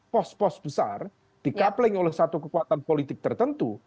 pos pos besar di coupling oleh satu kekuatan politik tertentu